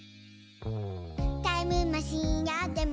「タイムマシンあっても」